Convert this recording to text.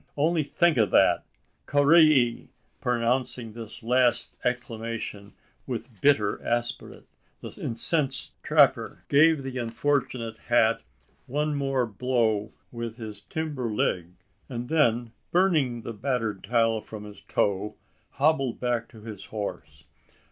Only think of that! Carrai i i!" Pronouncing this last exclamation with bitter aspirate, the incensed trapper gave the unfortunate hat one more blow with his timber leg; and then, spurning the battered tile from his toe, hobbled back to his horse!